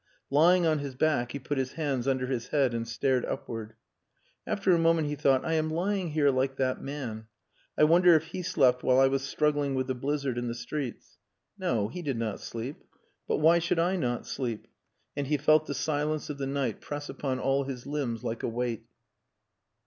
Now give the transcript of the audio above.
Lying on his back, he put his hands under his head and stared upward. After a moment he thought, "I am lying here like that man. I wonder if he slept while I was struggling with the blizzard in the streets. No, he did not sleep. But why should I not sleep?" and he felt the silence of the night press upon all his limbs like a weight.